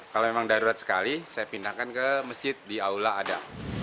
kalau memang darurat sekali saya pindahkan ke masjid di aula ada